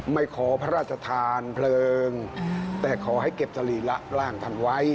ขอพระราชทานเพลิงแต่ขอให้เก็บสรีระร่างท่านไว้